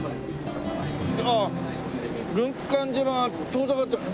ああ軍艦島が遠ざかってる。